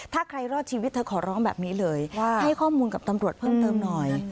ถ้าใครรอดชีวิตเธอขอร้องแบบนี้เลยว่าให้ข้อมูลกับตำรวจเพิ่มเติมหน่อย